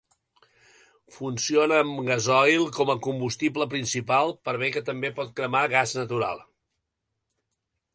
Funciona amb gasoil com a combustible principal, per bé que també pot cremar gas natural.